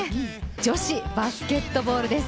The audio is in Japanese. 女子バスケットボールです。